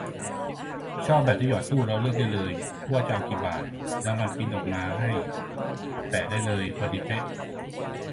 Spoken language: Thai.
ชอบแบบที่หยอดตู้แล้วเลือกได้เลยว่าจะเอากี่บาท แล้วมันปรินท์ออกมาให้ แปะได้เลย พอดีเป๊ะ